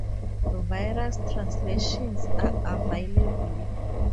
Various translations are available.